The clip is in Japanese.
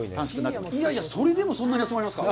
いやいや、それでもそんなに集まりますか。